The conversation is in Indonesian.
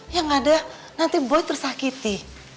ya nggak ada nanti boy tersakiti